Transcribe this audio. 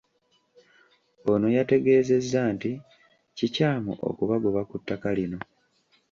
Ono yategeezezza nti kikyamu okubagoba ku ttaka lino.